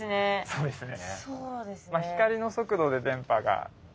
そうですね。